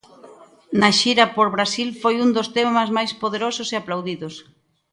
Na xira por Brasil foi un dos temas máis poderosos e aplaudidos.